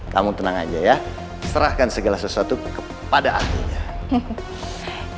kamu tenang aja ya serahkan segala sesuatu kepada ahlinya